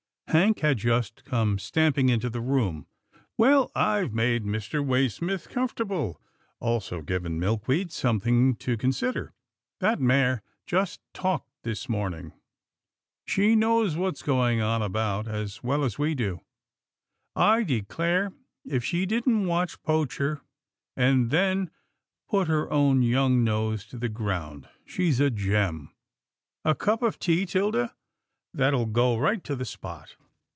Hank had just come stamping into the room, " Well, I've made Mr. Waysmith comfortable, also given Milkweed something to consider. That mare just talked this morning. She knows what's go ing on about as well as we do. I declare if she didn't watch Poacher, and then put her own young nose to the ground. She's a gem — A cup of tea, 'Tilda, that will go right to the spot.